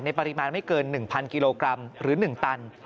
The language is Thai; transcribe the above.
ปริมาณไม่เกิน๑๐๐กิโลกรัมหรือ๑ตัน